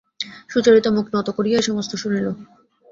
সুচরিতা মুখ নত করিয়াই সমস্ত শুনিল।